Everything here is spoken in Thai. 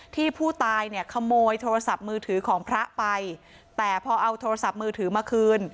ที่ผู้ตายเนี่ยขโมยโทรศัพท์มือถือของพระไปแต่พอเอาโทรศัพท์มือถือมาคืน